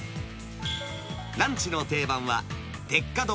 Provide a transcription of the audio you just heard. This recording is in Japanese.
ランチの定番は鉄火丼。